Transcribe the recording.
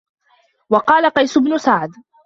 وَقَالَ قَيْسُ بْنُ سَعْدٍ